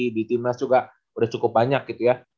di tim nas juga udah cukup banyak gitu ya